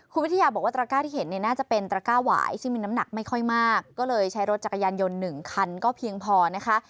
คุณวิทยาบอกว่าตระก้าที่เห็นเนี่ยน่าจะเป็นตระก้าหวายซึ่งมีน้ำหนักไม่ค่อยมากก็เลยใช้รถจักรยานยนต์๑คันก็เพียงพอนะคะ